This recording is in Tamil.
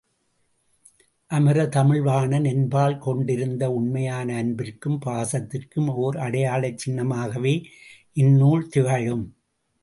அமரர் தமிழ்வாணன் என்பால் கொண்டிருந்த உண்மையான அன்பிற்கும் பாசத்திற்கும் ஓர் அடையாளச் சின்னமாகவே இந்நூல் திகழும்.